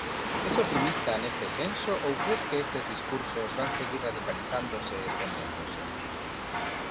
Es optimista neste senso ou cres que estes discursos van seguir radicalizándose e estendéndose?